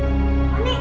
karpet bisa terbang